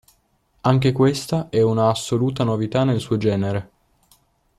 Anche questa è una assoluta novità nel suo genere.